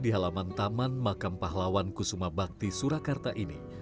di halaman taman makam pahlawan kusuma bakti surakarta ini